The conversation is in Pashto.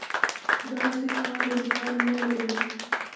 داسې کار امکان نه لري.